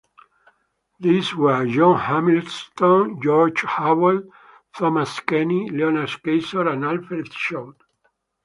These were: John Hamilton, George Howell, Thomas Kenny, Leonard Keysor and Alfred Shout.